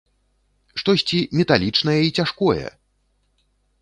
Штосьці металічнае і цяжкое!